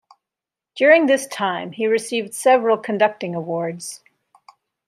During this time, he received several conducting awards.